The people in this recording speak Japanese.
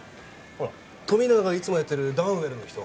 ほら富永がいつもやってるダウンウェルの人